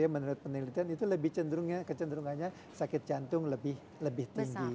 menurut penelitian itu lebih cenderungnya sakit jantung lebih tinggi